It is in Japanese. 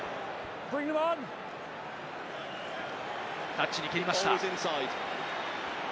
タッチに蹴りました。